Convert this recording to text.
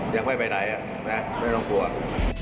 อย่างไม่ไปไหนไม่ต้องปลวง